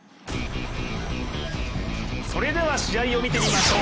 それでは試合を見てみましょう。